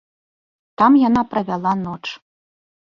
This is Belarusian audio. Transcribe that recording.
Там яна правяла ноч.